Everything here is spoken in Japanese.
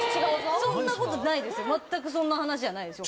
そんなことないですよ